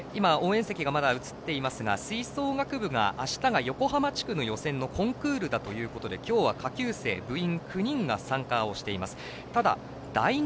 そして応援席が映っていますが吹奏楽部が、あしたが横浜地区の予選のコンクールだということで今日は下級生部員９人が参加しています。